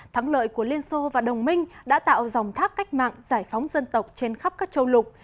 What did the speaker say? thắng lợi của liên xô và đồng minh đã tạo dòng thác cách mạng giải phóng dân tộc trên khắp các châu lục